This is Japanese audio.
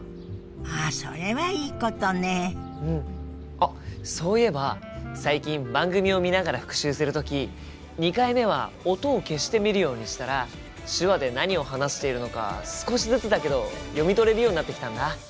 あっそういえば最近番組を見ながら復習する時２回目は音を消して見るようにしたら手話で何を話しているのか少しずつだけど読み取れるようになってきたんだ。